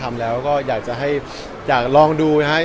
ถ้าเราปล่อยลองแล้วก็ดูสิ